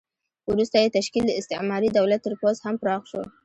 وروسته یې تشکیل د استعماري دولت تر پوځ هم پراخ شو.